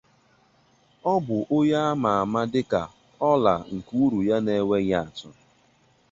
Ọ bụ onye ama ama dịka "ọla nke uru ya enweghị atụ".